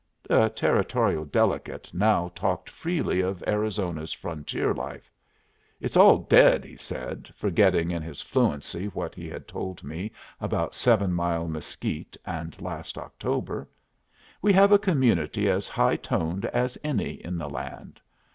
The Territorial Delegate now talked freely of Arizona's frontier life. "It's all dead," he said, forgetting in his fluency what he had told me about Seven Mile Mesquite and last October. "We have a community as high toned as any in the land.